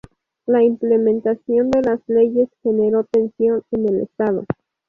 La implementación de las leyes generó tensión en el estado.